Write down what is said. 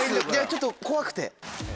ちょっと怖くて。